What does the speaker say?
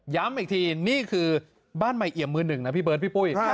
อีกทีนี่คือบ้านใหม่เอี่ยมมือหนึ่งนะพี่เบิร์ดพี่ปุ้ย